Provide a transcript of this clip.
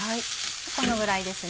このぐらいですね。